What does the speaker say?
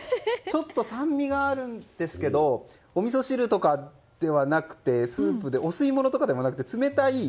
ちょっと酸味があるんですけどおみそ汁とかではなくてスープで、お吸い物でもなくて冷たい。